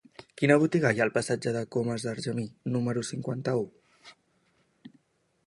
Quina botiga hi ha al passatge de Comas d'Argemí número cinquanta-u?